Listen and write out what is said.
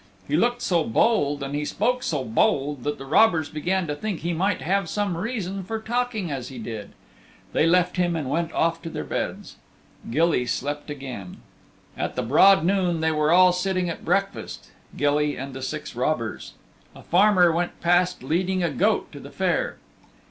He looked so bold and he spoke so bold that the robbers began to think he might have some reason for talking as he did. They left him and went off to their beds. Gilly slept again. At the broad noon they were all sitting at breakfast Gilly and the six robbers. A farmer went past leading a goat to the fair.